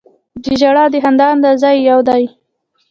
د ژړا او د خندا انداز یې یو دی.